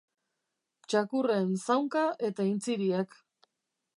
Txakurren zaunka eta intziriak.